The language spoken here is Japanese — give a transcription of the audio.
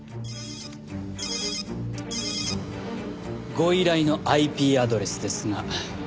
ご依頼のＩＰアドレスですが。